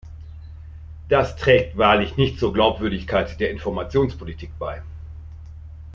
Das trägt wahrlich nicht zur Glaubwürdigkeit der Informationspolitik bei.